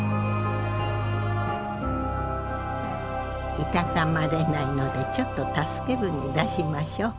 居たたまれないのでちょっと助け船出しましょう。